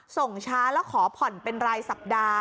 ส่งช้าแล้วขอผ่อนเป็นรายสัปดาห์